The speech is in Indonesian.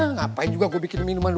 ngapain juga gue bikin minum begini ya